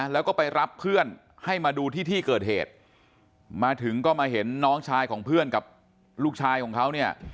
แล้วก็ไปรับเพื่อนให้มาดูที่ที่เกิดเหตุมาถึงก็มาเห็นน้องชายของเพื่อนกับลูกชายของเขาเนี่ย